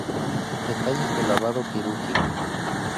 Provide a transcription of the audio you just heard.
Detalles del lavado quirúrgico.